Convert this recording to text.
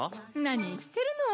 何言ってるの。